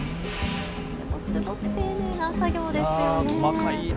すごく丁寧な作業ですよね。